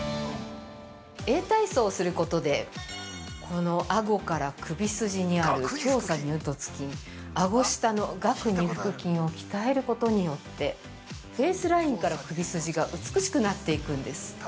◆エー体操をすることでこのあごから首筋にある胸鎖乳突筋、あご下の顎二腹筋を鍛えることによってフェイスラインから首筋が美しくなっていくんです。